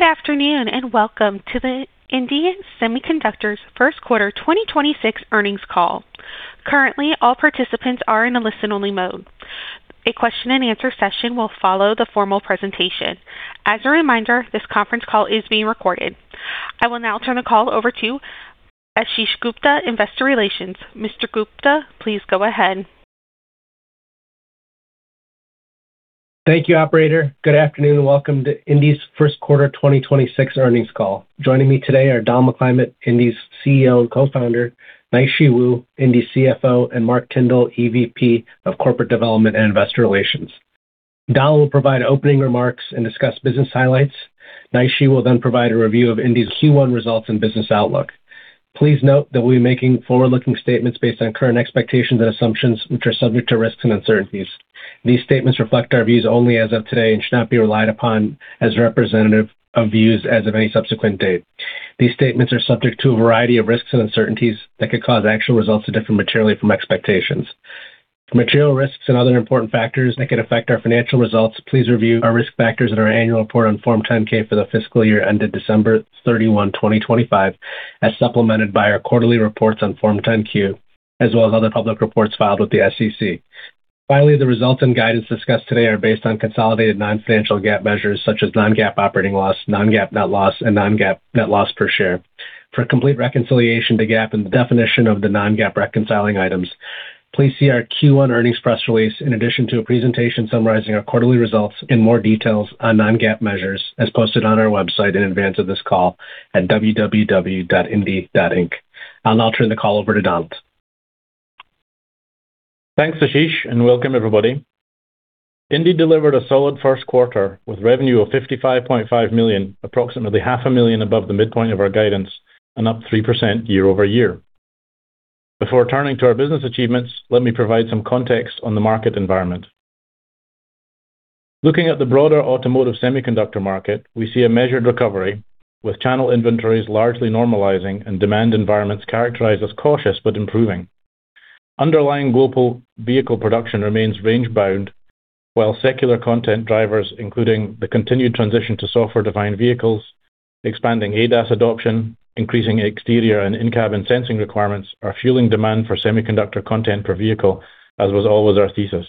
Good afternoon, and welcome to the indie Semiconductor first quarter 2026 earnings call. Currently, all participants are in a listen-only mode. A question and answer session will follow the formal presentation. As a reminder, this conference call is being recorded. I will now turn the call over to Ashish Gupta, Investor Relations. Mr. Gupta, please go ahead. Thank you, operator. Good afternoon, and welcome to indie's first quarter 2026 earnings call. Joining me today are Don McClymont, indie's CEO and Co-Founder, Naixi Wu, indie CFO, and Mark Tyndall, EVP of Corporate Development and Investor Relations. Don will provide opening remarks and discuss business highlights. Naixi will then provide a review of indie's Q1 results and business outlook. Please note that we're making forward-looking statements based on current expectations and assumptions, which are subject to risks and uncertainties. These statements reflect our views only as of today and should not be relied upon as representative of views as of any subsequent date. These statements are subject to a variety of risks and uncertainties that could cause actual results to differ materially from expectations. For material risks and other important factors that could affect our financial results, please review our risk factors in our annual report on Form 10-K for the fiscal year ended December 31, 2025, as supplemented by our quarterly reports on Form 10-Q, as well as other public reports filed with the SEC. Finally, the results and guidance discussed today are based on consolidated non-GAAP measures such as non-GAAP operating loss, non-GAAP net loss, and non-GAAP net loss per share. For a complete reconciliation to GAAP and the definition of the non-GAAP reconciling items, please see our Q1 earnings press release in addition to a presentation summarizing our quarterly results in more details on non-GAAP measures, as posted on our website in advance of this call at www.indie.inc. I'll now turn the call over to Don. Thanks, Ashish, welcome everybody. indie delivered a solid first quarter with revenue of $55.5 million, approximately half a million above the midpoint of our guidance and up 3% year-over-year. Before turning to our business achievements, let me provide some context on the market environment. Looking at the broader automotive semiconductor market, we see a measured recovery, with channel inventories largely normalizing and demand environments characterized as cautious but improving. Underlying global vehicle production remains range-bound, while secular content drivers, including the continued transition to software-defined vehicles, expanding ADAS adoption, increasing exterior and in-cabin sensing requirements, are fueling demand for semiconductor content per vehicle, as was always our thesis.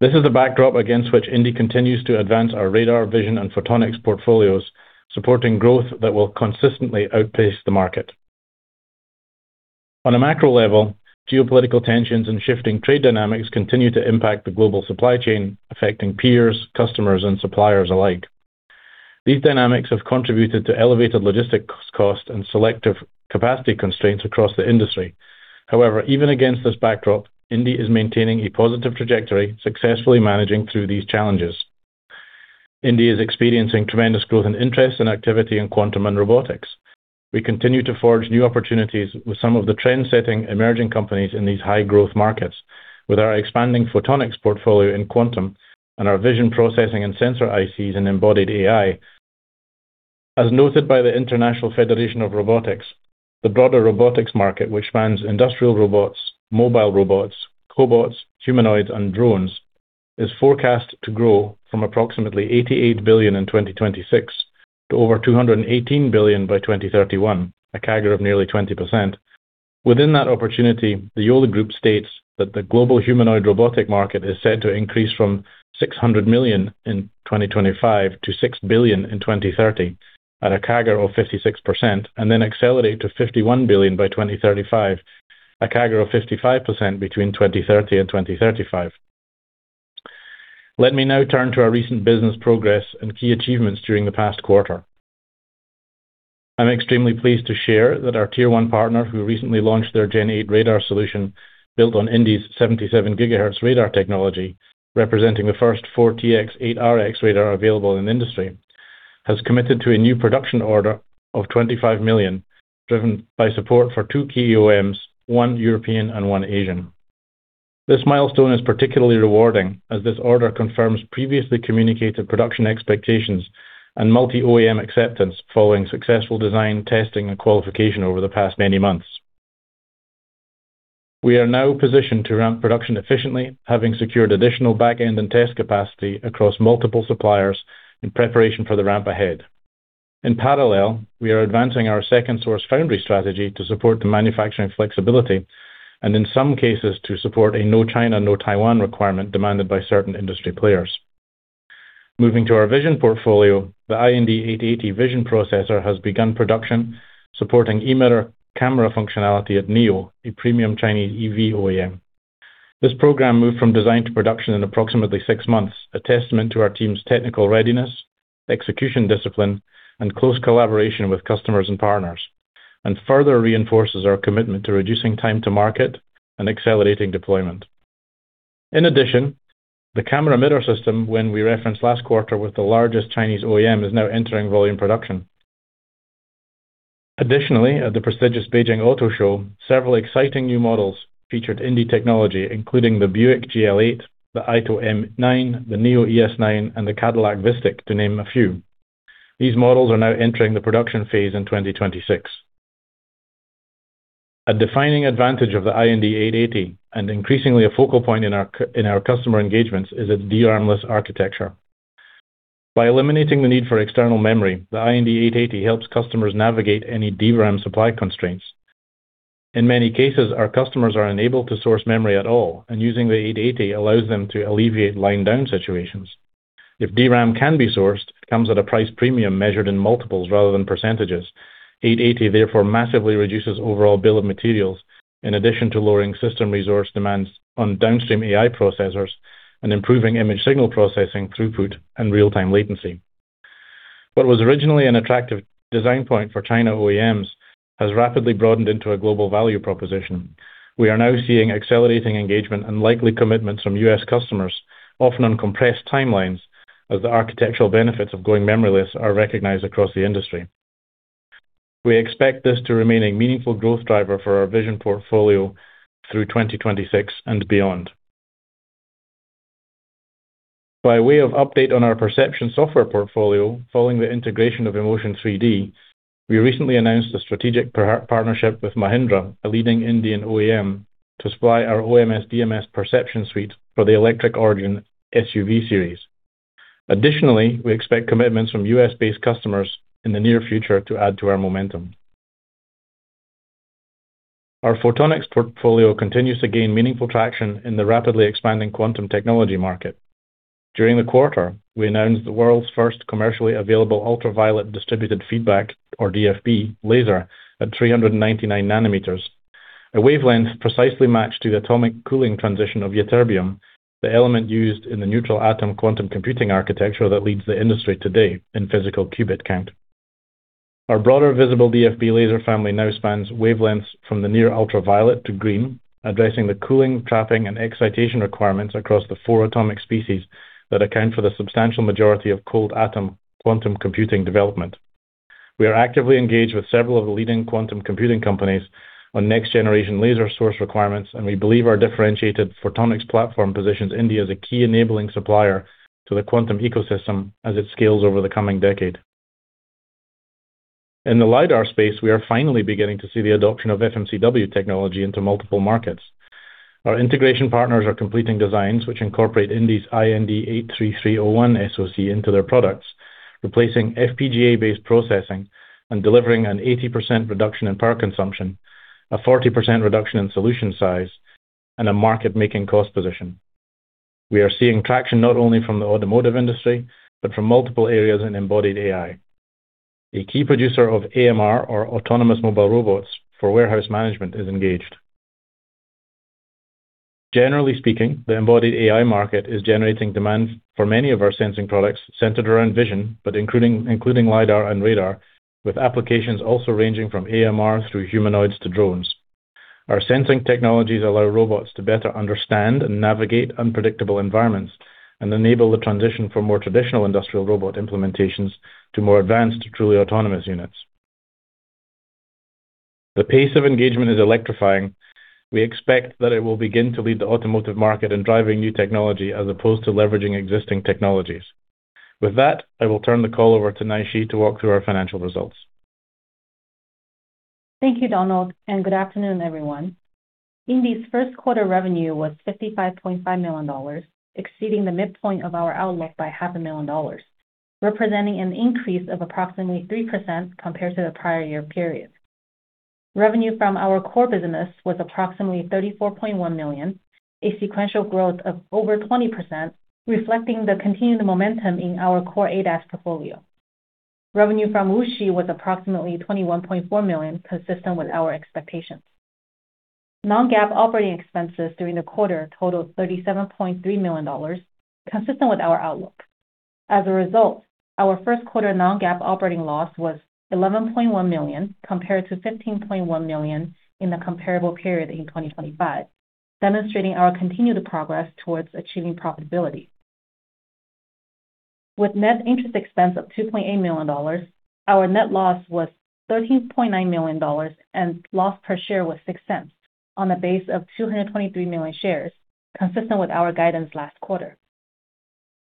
This is the backdrop against which indie continues to advance our radar vision and photonics portfolios, supporting growth that will consistently outpace the market. On a macro level, geopolitical tensions and shifting trade dynamics continue to impact the global supply chain, affecting peers, customers, and suppliers alike. These dynamics have contributed to elevated logistics cost and selective capacity constraints across the industry. Even against this backdrop, indie is maintaining a positive trajectory, successfully managing through these challenges. indie is experiencing tremendous growth in interest and activity in quantum and robotics. We continue to forge new opportunities with some of the trendsetting emerging companies in these high-growth markets with our expanding photonics portfolio in quantum and our vision processing and sensor ICs and embodied AI. As noted by the International Federation of Robotics, the broader robotics market, which spans industrial robots, mobile robots, cobots, humanoids, and drones, is forecast to grow from approximately $88 billion in 2026 to over $218 billion by 2031, a CAGR of nearly 20%. Within that opportunity, the Yole Group states that the global humanoid robotic market is set to increase from $600 million in 2025 to $6 billion in 2030 at a CAGR of 56% and then accelerate to $51 billion by 2035, a CAGR of 55% between 2030 and 2035. Let me now turn to our recent business progress and key achievements during the past quarter. I'm extremely pleased to share that our tier one partner, who recently launched their Gen8 radar solution built on indie's 77 GHz radar technology, representing the first 4TX 8RX radar available in the industry, has committed to a new production order of $25 million, driven by support for two key OEMs, one European and one Asian. This milestone is particularly rewarding as this order confirms previously communicated production expectations and multi-OEM acceptance following successful design, testing, and qualification over the past many months. We are now positioned to ramp production efficiently, having secured additional back-end and test capacity across multiple suppliers in preparation for the ramp ahead. In parallel, we are advancing our second-source foundry strategy to support the manufacturing flexibility and in some cases to support a no China, no Taiwan requirement demanded by certain industry players. Moving to our vision portfolio, the iND880 vision processor has begun production supporting eMirror camera functionality at NIO, a premium Chinese EV OEM. This program moved from design to production in approximately six months, a testament to our team's technical readiness, execution discipline, and close collaboration with customers and partners, and further reinforces our commitment to reducing time to market and accelerating deployment. In addition, the camera mirror system when we referenced last quarter with the largest Chinese OEM is now entering volume production. At the prestigious Beijing Auto Show, several exciting new models featured indie technology, including the Buick GL8, the AITO M9, the NIO ES9, and the Cadillac VISTIQ, to name a few. These models are now entering the production phase in 2026. A defining advantage of the iND880 and increasingly a focal point in our customer engagements is a DRAM-less architecture. By eliminating the need for external memory, the iND880 helps customers navigate any DRAM supply constraints. In many cases, our customers are unable to source memory at all, and using the iND880 allows them to alleviate line down situations. If DRAM can be sourced, it comes at a price premium measured in multiples rather than percentages. iND880 therefore massively reduces overall bill of materials in addition to lowering system resource demands on downstream AI processors and improving image signal processing throughput and real-time latency. What was originally an attractive design point for China OEMs has rapidly broadened into a global value proposition. We are now seeing accelerating engagement and likely commitments from U.S. customers, often on compressed timelines as the architectural benefits of going memoryless are recognized across the industry. We expect this to remain a meaningful growth driver for our vision portfolio through 2026 and beyond. By way of update on our perception software portfolio following the integration of emotion3D, we recently announced a strategic partnership with Mahindra, a leading Indian OEM, to supply our OMS/DMS perception suite for the electric origin SUV series. Additionally, we expect commitments from U.S.-based customers in the near future to add to our momentum. Our photonics portfolio continues to gain meaningful traction in the rapidly expanding quantum technology market. During the quarter, we announced the world's first commercially available ultraviolet distributed feedback or DFB laser at 399 nm. A wavelength precisely matched to the atomic cooling transition of ytterbium, the element used in the neutral atom quantum computing architecture that leads the industry today in physical qubit count. Our broader visible DFB laser family now spans wavelengths from the near ultraviolet to green, addressing the cooling, trapping, and excitation requirements across the four atomic species that account for the substantial majority of cold atom quantum computing development. We are actively engaged with several of the leading quantum computing companies on next-generation laser source requirements, and we believe our differentiated photonics platform positions indie as a key enabling supplier to the quantum ecosystem as it scales over the coming decade. In the LIDAR space, we are finally beginning to see the adoption of FMCW technology into multiple markets. Our integration partners are completing designs which incorporate indie's iND83301 SoC into their products, replacing FPGA-based processing and delivering an 80% reduction in power consumption, a 40% reduction in solution size, and a market-making cost position. We are seeing traction not only from the automotive industry, but from multiple areas in embodied AI. A one key producer of AMR or autonomous mobile robots for warehouse management is engaged. Generally speaking, the embodied AI market is generating demand for many of our sensing products centered around vision, but including LIDAR and radar, with applications also ranging from AMR through humanoids to drones. Our sensing technologies allow robots to better understand and navigate unpredictable environments and enable the transition from more traditional industrial robot implementations to more advanced, truly autonomous units. The pace of engagement is electrifying. We expect that it will begin to lead the automotive market in driving new technology as opposed to leveraging existing technologies. With that, I will turn the call over to Naixi to walk through our financial results. Thank you, Donald, good afternoon, everyone. indie's first quarter revenue was $55.5 million, exceeding the midpoint of our outlook by half a million dollars, representing an increase of approximately 3% compared to the prior year period. Revenue from our core business was approximately $34.1 million, a sequential growth of over 20%, reflecting the continued momentum in our core ADAS portfolio. Revenue from Wuxi was approximately $21.4 million, consistent with our expectations. Non-GAAP operating expenses during the quarter totaled $37.3 million, consistent with our outlook. As a result, our first quarter Non-GAAP operating loss was $11.1 million compared to $15.1 million in the comparable period in 2025, demonstrating our continued progress towards achieving profitability. With net interest expense of $2.8 million, our net loss was $13.9 million and loss per share was $0.06 on a base of 223 million shares, consistent with our guidance last quarter.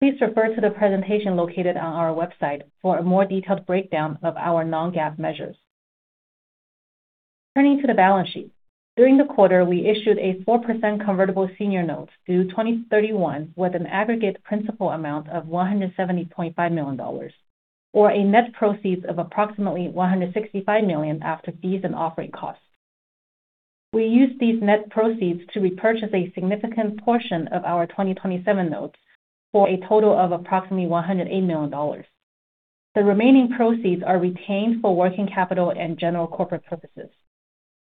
Please refer to the presentation located on our website for a more detailed breakdown of our non-GAAP measures. Turning to the balance sheet. During the quarter, we issued a 4% convertible senior note due 2031 with an aggregate principal amount of $170.5 million or a net proceeds of approximately $165 million after fees and offering costs. We used these net proceeds to repurchase a significant portion of our 2027 notes for a total of approximately $108 million. The remaining proceeds are retained for working capital and general corporate purposes.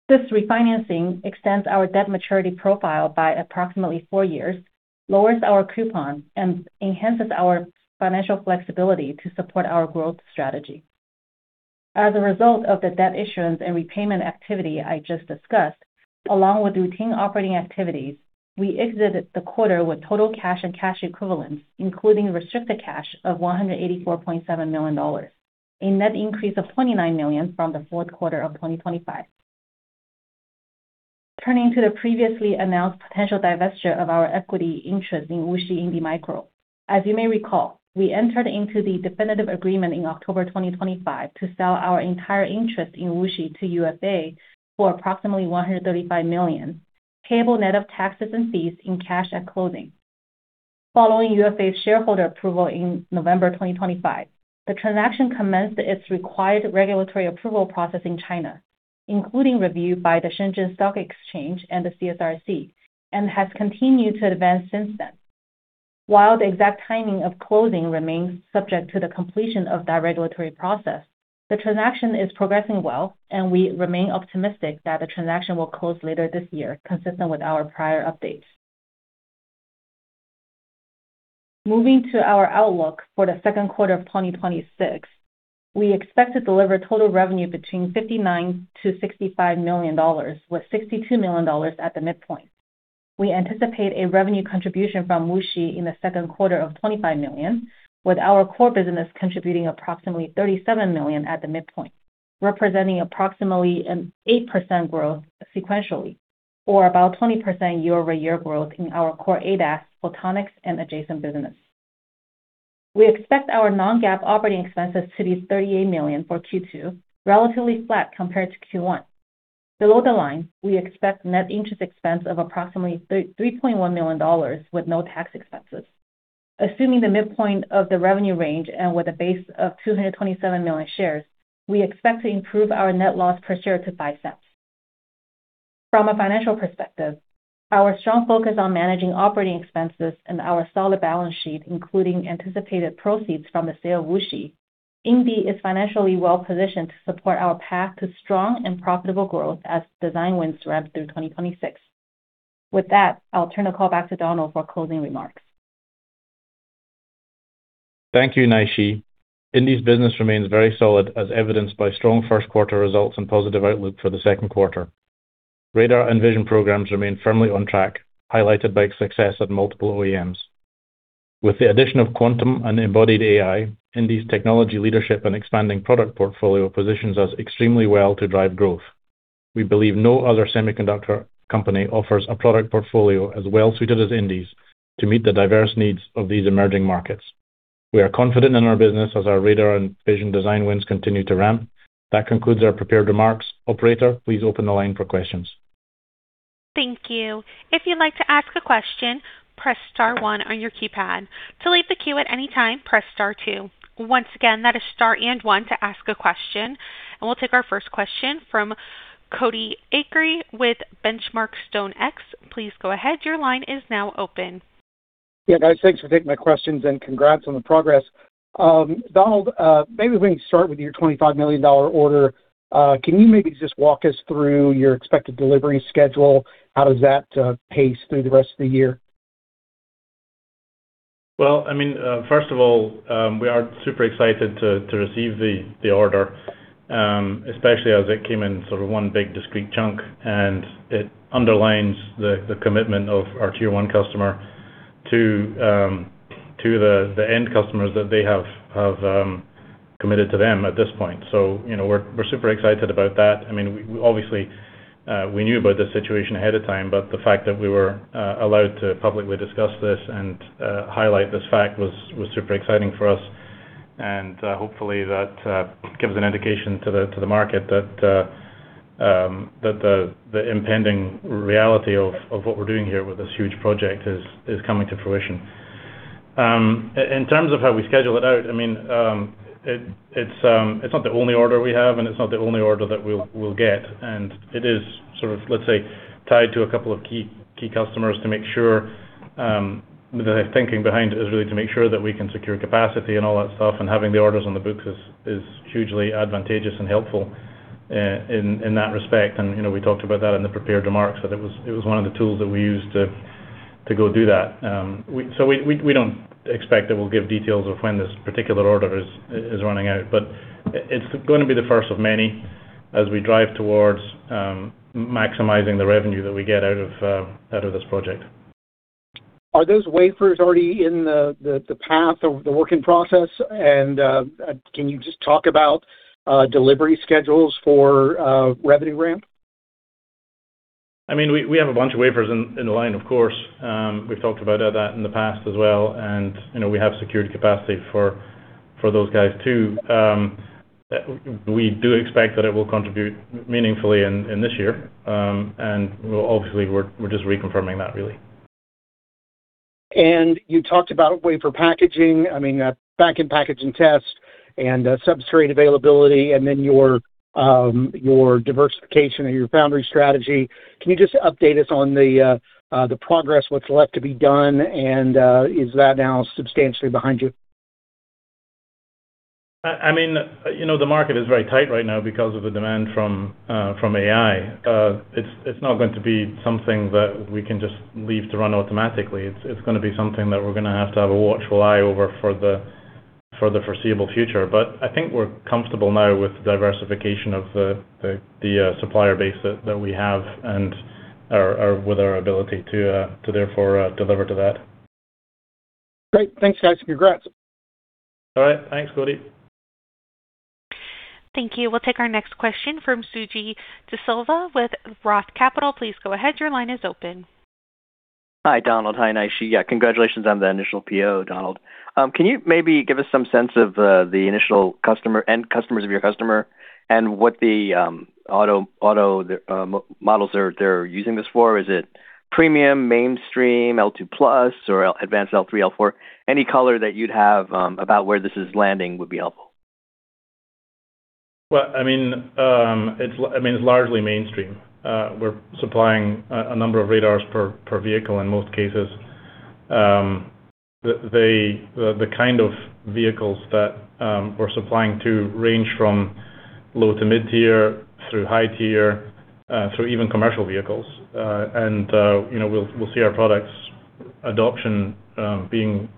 This refinancing extends our debt maturity profile by approximately four years, lowers our coupon, and enhances our financial flexibility to support our growth strategy. As a result of the debt issuance and repayment activity I just discussed, along with routine operating activities, we exited the quarter with total cash and cash equivalents, including restricted cash of $184.7 million, a net increase of $29 million from the fourth quarter of 2025. Turning to the previously announced potential divestiture of our equity interest in Wuxi indie Micro. As you may recall, we entered into the definitive agreement in October 2025 to sell our entire interest in Wuxi to UFA for approximately $135 million, payable net of taxes and fees in cash at closing. Following UFA's shareholder approval in November 2025, the transaction commenced its required regulatory approval process in China, including review by the Shenzhen Stock Exchange and the CSRC, and has continued to advance since then. While the exact timing of closing remains subject to the completion of that regulatory process, the transaction is progressing well, and we remain optimistic that the transaction will close later this year, consistent with our prior updates. Moving to our outlook for the second quarter of 2026, we expect to deliver total revenue between $59 million-$65 million, with $62 million at the midpoint. We anticipate a revenue contribution from Wuxi in the second quarter of $25 million, with our core business contributing approximately $37 million at the midpoint, representing approximately an 8% growth sequentially or about 20% year-over-year growth in our core ADAS, photonics, and adjacent business. We expect our non-GAAP operating expenses to be $38 million for Q2, relatively flat compared to Q1. Below the line, we expect net interest expense of approximately $3.1 million with no tax expenses. Assuming the midpoint of the revenue range and with a base of 227 million shares, we expect to improve our net loss per share to $0.05. From a financial perspective, our strong focus on managing operating expenses and our solid balance sheet, including anticipated proceeds from the sale of Wuxi, indie is financially well-positioned to support our path to strong and profitable growth as design wins ramp through 2026. With that, I'll turn the call back to Donald for closing remarks. Thank you, Naixi. indie's business remains very solid, as evidenced by strong first quarter results and positive outlook for the second quarter. Radar and vision programs remain firmly on track, highlighted by success at multiple OEMs. With the addition of quantum and embodied AI, indie's technology leadership and expanding product portfolio positions us extremely well to drive growth. We believe no other semiconductor company offers a product portfolio as well-suited as indie's to meet the diverse needs of these emerging markets. We are confident in our business as our radar and vision design wins continue to ramp. That concludes our prepared remarks. Operator, please open the line for questions. Thank you. If you'd like to ask a question, press star one on your keypad. To leave the queue at any time, press start two. Once again, press star one to ask a question. We'll take our first question from Cody Acree with Benchmark/StoneX. Please go ahead. Your line is now open. Yeah, guys, thanks for taking my questions, and congrats on the progress. Donald, maybe we can start with your $25 million order. Can you maybe just walk us through your expected delivery schedule? How does that pace through the rest of the year? Well, I mean, first of all, we are super excited to receive the order, especially as it came in sort of one big discrete chunk, and it underlines the commitment of our tier one customer to the end customers that they have committed to them at this point. You know, we're super excited about that. I mean obviously, we knew about this situation ahead of time, the fact that we were allowed to publicly discuss this and highlight this fact was super exciting for us. Hopefully that gives an indication to the market that the impending reality of what we're doing here with this huge project is coming to fruition. In terms of how we schedule it out, I mean, it's, it's not the only order we have, and it's not the only order that we'll get. It is sort of, let's say, tied to a couple of key customers to make sure, the thinking behind it is really to make sure that we can secure capacity and all that stuff. Having the orders on the books is hugely advantageous and helpful in that respect. You know, we talked about that in the prepared remarks, that it was one of the tools that we used to go do that. We don't expect that we'll give details of when this particular order is running out, but it's gonna be the first of many as we drive towards, maximizing the revenue that we get out of, out of this project. Are those wafers already in the path of the working process? Can you just talk about delivery schedules for revenue ramp? I mean, we have a bunch of wafers in the line, of course. We've talked about that in the past as well, you know, we have secured capacity for those guys too. We do expect that it will contribute meaningfully in this year. Obviously we're just reconfirming that really. You talked about wafer packaging, I mean, back-end package and test and substrate availability and then your diversification and your foundry strategy. Can you just update us on the progress, what's left to be done, and is that now substantially behind you? I mean, you know, the market is very tight right now because of the demand from AI. It's not going to be something that we can just leave to run automatically. It's gonna be something that we're gonna have to have a watchful eye over for the foreseeable future. I think we're comfortable now with the diversification of the supplier base that we have and our ability to therefore deliver to that. Great. Thanks, guys, and congrats. All right. Thanks, Cody. Thank you. We'll take our next question from Suji Desilva with Roth Capital. Please go ahead, your line is open. Hi, Donald. Hi, Naixi. Congratulations on the initial PO, Donald. Can you maybe give us some sense of the initial customer end customers of your customer and what the auto models they're using this for? Is it premium, mainstream, L2+ or advanced L3, L4? Any color that you'd have about where this is landing would be helpful. Well, I mean, it's largely mainstream. We're supplying a number of radars per vehicle in most cases. The kind of vehicles that we're supplying to range from low to mid-tier through high tier, through even commercial vehicles. You know, we'll see our products adoption being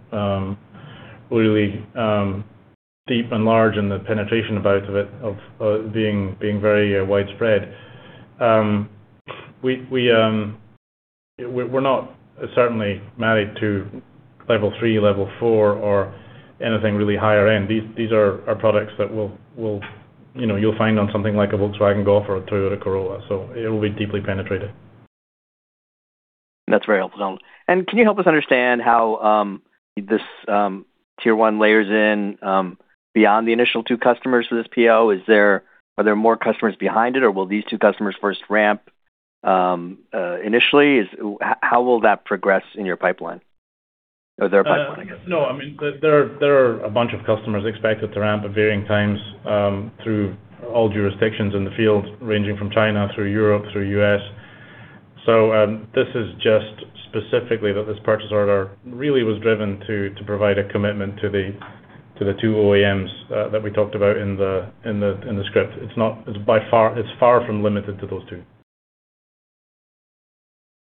really deep and large in the penetration of it being very widespread. We're not certainly married to level three, level four or anything really higher end. These are products that we'll, you know, you'll find on something like a Volkswagen Golf or a Toyota Corolla. It will be deeply penetrated. That's very helpful, Donald. Can you help us understand how this tier one layers in beyond the initial two customers for this PO? Are there more customers behind it, or will these two customers first ramp initially? How will that progress in your pipeline? Or their pipeline, I guess. No, I mean, there are a bunch of customers expected to ramp at varying times through all jurisdictions in the field, ranging from China through Europe through the U.S. This is just specifically that this purchase order really was driven to provide a commitment to the two OEMs that we talked about in the script. It's far from limited to those two.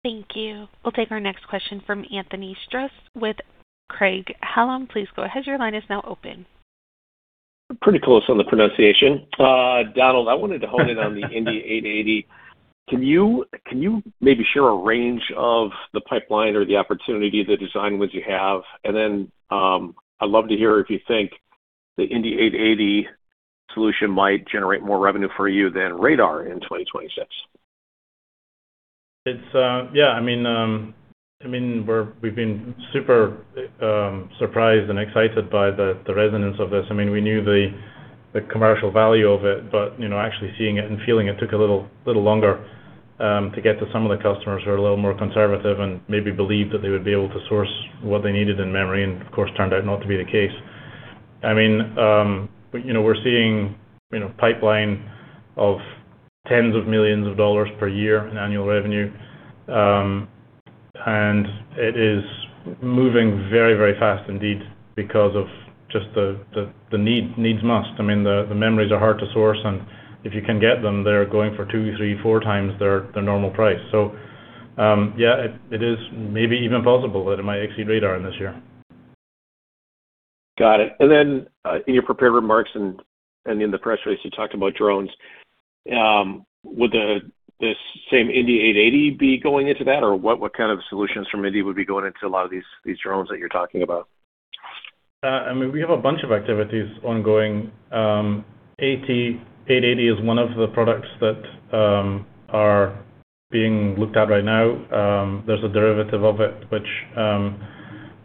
Thank you. We'll take our next question from Anthony Stoss with Craig-Hallum. Please go ahead, your line is now open. Pretty close on the pronunciation. Donald, I wanted to hone in on the iND880. Can you maybe share a range of the pipeline or the opportunity, the design wins you have? I'd love to hear if you think the iND880 solution might generate more revenue for you than radar in 2026. It's, yeah, I mean, I mean, we've been super surprised and excited by the resonance of this. I mean, we knew the commercial value of it, but, you know, actually seeing it and feeling it took a little longer to get to some of the customers who are a little more conservative and maybe believed that they would be able to source what they needed in memory, and of course, turned out not to be the case. I mean, you know, we're seeing, you know, pipeline of tens of millions of dollars per year in annual revenue. It is moving very, very fast indeed because of just the need. Needs must. I mean, the memories are hard to source, and if you can get them, they're going for two, three, four times their normal price. Yeah, it is maybe even possible that it might exceed radar in this year. Got it. Then, in your prepared remarks and in the press release, you talked about drones. Would this same iND880 be going into that? What kind of solutions from indie would be going into a lot of these drones that you're talking about? I mean, we have a bunch of activities ongoing. iND880 is one of the products that are being looked at right now. There's a derivative of it which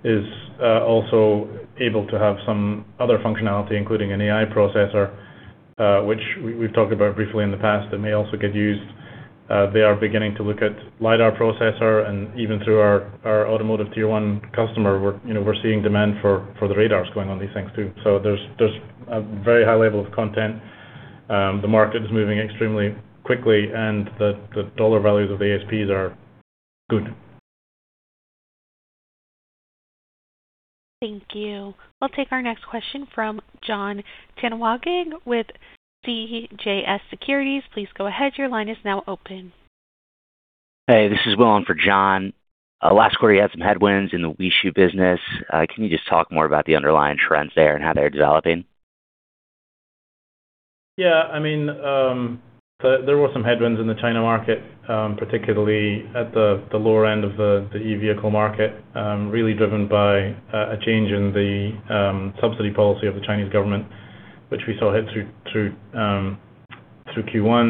is also able to have some other functionality, including an AI processor, which we've talked about briefly in the past. It may also get used. They are beginning to look at LIDAR processor and even through our automotive tier one customer, we're, you know, seeing demand for the radars going on these things too. There's a very high level of content. The market is moving extremely quickly, and the dollar values of the ASPs are good. Thank you. We'll take our next question from Jon Tanwanteng with CJS Securities. Please go ahead, your line is now open. Hey, this is Will in for Jon. Last quarter you had some headwinds in the Wuxi business. Can you just talk more about the underlying trends there and how they're developing? Yeah, I mean, there were some headwinds in the China market, particularly at the lower end of the e-vehicle market, really driven by a change in the subsidy policy of the Chinese government, which we saw hit through Q1.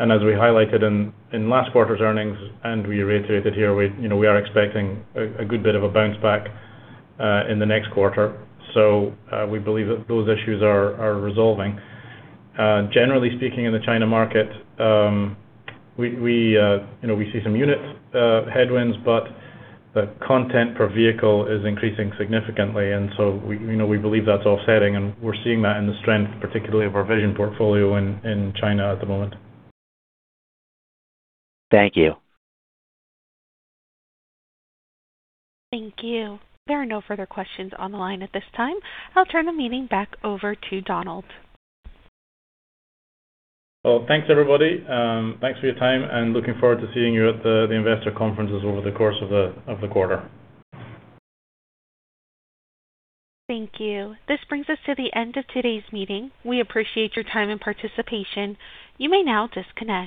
As we highlighted in last quarter's earnings and reiterated here, we, you know, we are expecting a good bit of a bounce back in the next quarter. We believe that those issues are resolving. Generally speaking, in the China market, we, you know, we see some unit headwinds, the content per vehicle is increasing significantly. We, you know, we believe that's offsetting, and we're seeing that in the strength, particularly of our vision portfolio in China at the moment. Thank you. Thank you. There are no further questions on the line at this time. I'll turn the meeting back over to Donald. Well, thanks, everybody. Thanks for your time. Looking forward to seeing you at the investor conferences over the course of the quarter. Thank you. This brings us to the end of today's meeting. We appreciate your time and participation. You may now disconnect.